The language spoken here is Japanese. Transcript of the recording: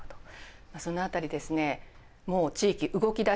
その辺りですねもう地域動きだしています。